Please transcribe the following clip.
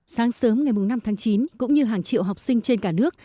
sáng sớm ngày năm tháng chín cũng như hàng triệu học sinh trên cả nước